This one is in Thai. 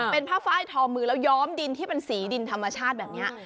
เป็นผ้าไฟล์ทอมือแล้วย้อมดินที่เป็นสีดินธรรมชาติแบบนี้